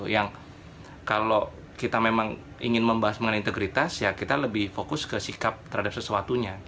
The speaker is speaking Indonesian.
yang kalau kita memang ingin membahas mengenai integritas ya kita lebih fokus ke sikap terhadap sesuatunya